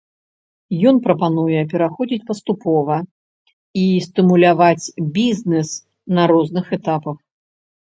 Ён прапануе пераходзіць паступова і стымуляваць бізнес на розных этапах.